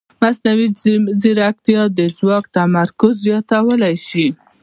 مصنوعي ځیرکتیا د ځواک تمرکز زیاتولی شي.